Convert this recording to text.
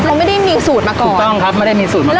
เราไม่ได้มีสูตรมาก่อนถูกต้องครับไม่ได้มีสูตรมาก่อน